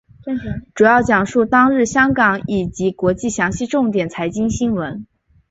主要讲述当日香港以及国际详细重点财经新闻。